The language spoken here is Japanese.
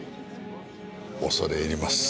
恐れ入ります。